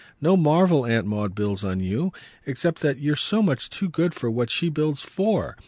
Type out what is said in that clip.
No marvel Aunt Maud builds on you except that you're so much too good for what she builds FOR.